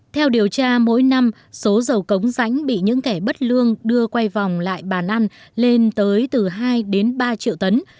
theo điều tra mỗi năm số dầu cống rãnh bị những kẻ bất lương đưa quay vòng lại bàn ăn lên tới từ hai đến ba triệu tấn